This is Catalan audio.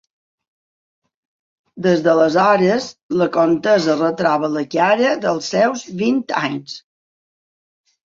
Des d'aleshores, la comtessa retroba la cara dels seus vint anys.